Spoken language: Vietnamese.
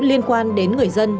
liên quan đến người dân